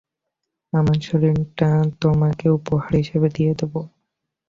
আমার শরীরটা তোমাকে উপহার হিসেবে দিয়ে দেব।